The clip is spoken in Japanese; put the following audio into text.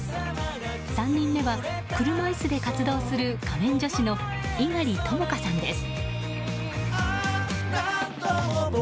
３人目は車いすで活動する仮面女子の猪狩ともかさんです。